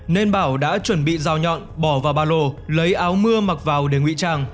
nên bảo đã chuẩn bị rào nhọn bỏ vào bà lô lấy áo mưa mặc vào để ngụy trang